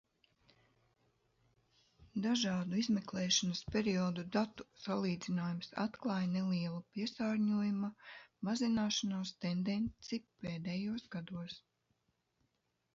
Dažādu izmeklēšanas periodu datu salīdzinājums atklāj nelielu piesārņojuma mazināšanās tendenci pēdējos gados.